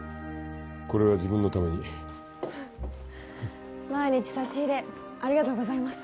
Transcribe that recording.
これは自分のために毎日差し入れありがとうございます